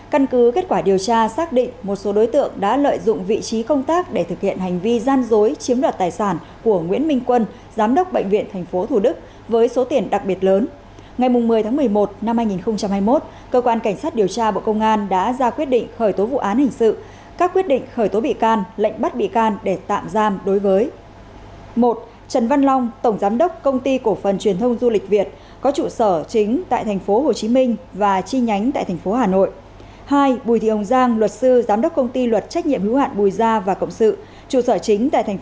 các quyết định khởi tố bị can lệnh bắt bị can để tạm giam đối với